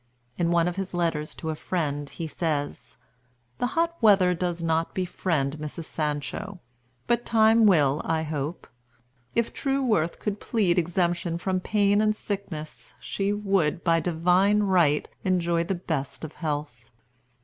In one of his letters to a friend he says: "The hot weather does not befriend Mrs. Sancho, but time will, I hope. If true worth could plead exemption from pain and sickness, she would, by right divine, enjoy the best of health."